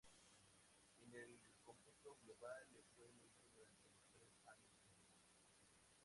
En el cómputo global le fue muy bien durante los tres años siguientes.